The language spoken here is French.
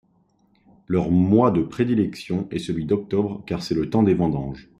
Leur mois de prédilection est celui d'octobre car c'est le temps des vendanges.